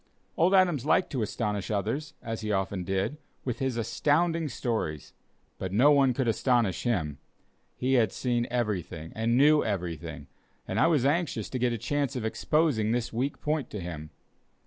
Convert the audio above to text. Old Adams liked to astonish others, as he often did, with his astounding stories, but no one could astonish him; he had seen everything and knew everything, and I was anxious to get a chance of exposing this weak point to him.